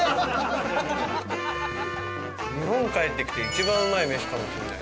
日本帰ってきて一番うまい飯かもしれない。